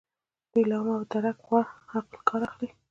دوی له عام او د درک وړ عقل کار اخلي.